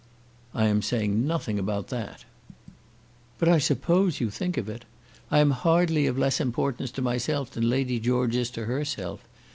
"I am saying nothing about that." "But I suppose you think of it. I am hardly of less importance to myself than Lady George is to herself.